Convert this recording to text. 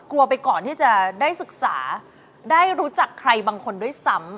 ไปก่อนที่จะได้ศึกษาได้รู้จักใครบางคนด้วยซ้ำ